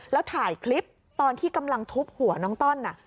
แล้วถ่ายคลิปตอนที่กำลังทุบหัวน้องต้อน